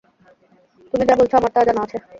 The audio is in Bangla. তুমি যা বলছ, আমার তা জানা আছে।